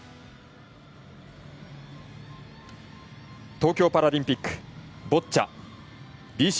東京パラリンピックボッチャＢＣ